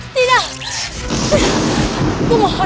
tidak tuhan abu ne aku